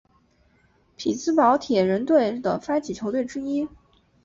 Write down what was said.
匹兹堡铁人队的发起球队之一。